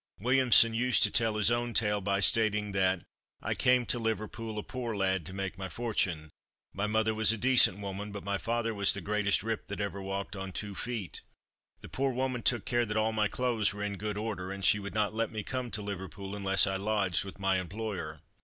Williamson used to tell his own tale by stating that "I came to Liverpool a poor lad to make my fortune. My mother was a decent woman, but my father was the greatest rip that ever walked on two feet. The poor woman took care that all my clothes were in good order, and she would not let me come to Liverpool unless I lodged with my employer.